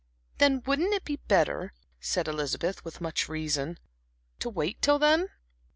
"Then wouldn't it be better," said Elizabeth, with much reason, "to wait till then?"